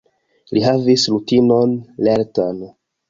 Li havis rutinon lertan.